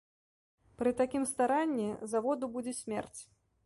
Пры такім старанні заводу будзе смерць.